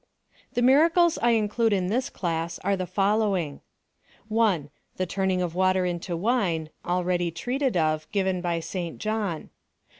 The miracles I include in this class are the following: 1. The turning of water into wine, already treated of, given by St John.